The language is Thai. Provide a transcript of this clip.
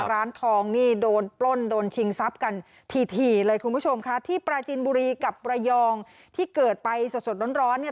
ร้านทองนี่โดนปล้นโดนชิงทรัพย์กันถี่เลยคุณผู้ชมค่ะที่ปราจินบุรีกับระยองที่เกิดไปสดสดร้อนเนี่ย